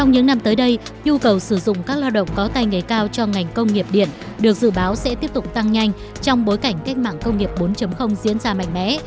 hãy đăng ký kênh để ủng hộ kênh của chúng mình nhé